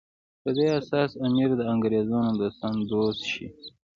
په دې اساس امیر د انګریزانو د دوستانو دوست شي.